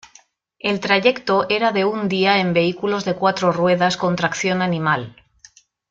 El trayecto era de un día en vehículos de cuatro ruedas con tracción animal.